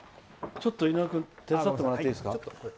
ちょっと、井上君手伝ってもらっていいですか。